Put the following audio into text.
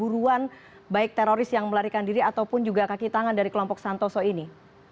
buruan baik teroris yang melarikan diri ataupun juga kaki tangan dari kelompok santoso ini